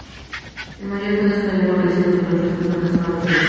El mayor pedazo de avión localizado entre los restos no alcanzaba los de longitud.